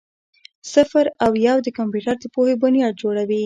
صفر او یو د کمپیوټر د پوهې بنیاد جوړوي.